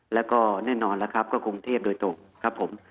แล้วก็แน่นอนแล้วครับก็กรุงเทพโดยตรงครับผม